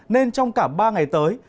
nên trong cả ba ngày tới